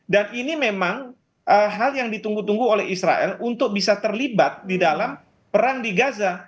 dan ini memang hal yang ditunggu tunggu oleh israel untuk bisa terlibat di dalam perang di gaza